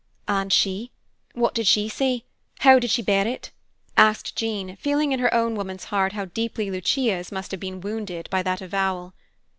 "And she what did she say? How did she bear it?" asked Jean, feeling in her own woman's heart how deeply Lucia's must have been wounded by that avowal.